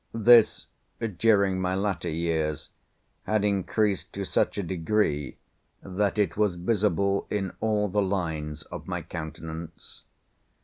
This, during my latter years, had increased to such a degree, that it was visible in all the lines of my countenance.